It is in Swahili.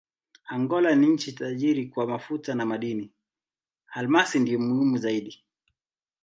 Angola ni nchi tajiri kwa mafuta na madini: almasi ndiyo muhimu zaidi.